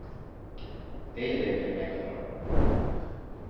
They live in Mangalore.